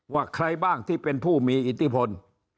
ว่าใครบ้างที่เป็นผู้มีอิทธิพล